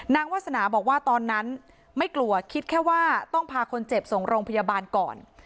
วาสนาบอกว่าตอนนั้นไม่กลัวคิดแค่ว่าต้องพาคนเจ็บส่งโรงพยาบาลก่อน